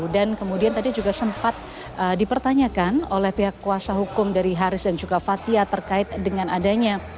dan kemudian tadi juga sempat dipertanyakan oleh pihak kuasa hukum dari haris dan juga fathia terkait dengan adanya